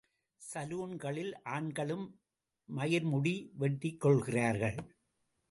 சலூன்களில் ஆண்களும் மயிர்முடி வெட்டிக் கொள்கிறார்கள்.